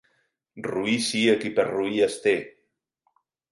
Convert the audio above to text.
Roí sia qui per roí es té.